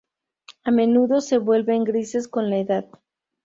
A menudo se vuelven grises con la edad.